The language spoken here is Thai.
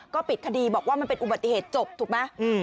ก็ปิดคดีบอกว่ามันเป็นอุบัติเหตุจบถูกไหม